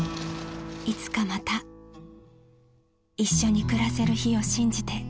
［いつかまた一緒に暮らせる日を信じて］